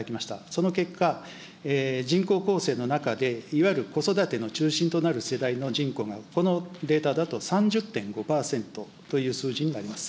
その結果、人口構成の中でいわゆる子育ての中心となる世代の人口が、このデータだと３０．５％という数字になります。